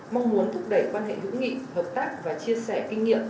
mong muốn thúc đẩy quan hệ hữu nghị hợp tác và chia sẻ kinh nghiệm